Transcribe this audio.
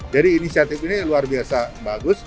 jadi inisiatif ini luar biasa bagus